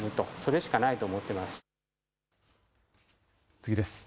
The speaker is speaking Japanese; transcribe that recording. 次です。